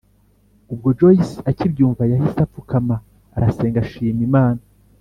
ubwo joyce akibyumva yahise apfukama arasenga ashima imana